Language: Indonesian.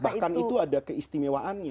bahkan itu ada keistimewaannya